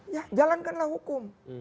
ya jalankanlah hukum